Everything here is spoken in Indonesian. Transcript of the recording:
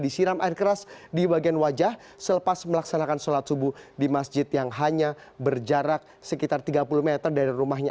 dan keras di bagian wajah selepas melaksanakan sholat subuh di masjid yang hanya berjarak sekitar tiga puluh meter dari rumahnya